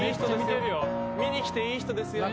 見に来ていい人ですよ。